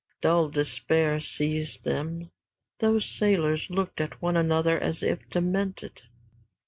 Dull despair seized them. Those sailors looked at one another as if demented.